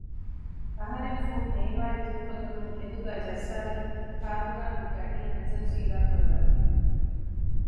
އަހަރެން ފުންނޭވާއެއް ދޫކޮށްލަމުން އެނދުގައި ޖައްސާލީ ފާރުގައި ހުރި ގަޑިއަށް ނަޒަރު ސީދާކޮށްލަމުން